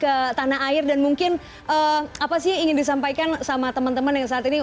ke tanah air dan mungkin apa sih yang ingin disampaikan sama teman teman yang saat ini